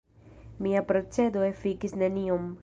Mia procedo efikis neniom.